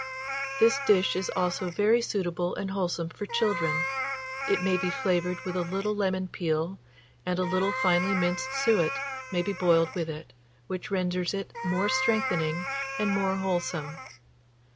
This dish is also very suitable and wholesome for children; it may be flavoured with a little lemon peel, and a little finely minced suet may be boiled with it, which renders it more strengthening and more wholesome.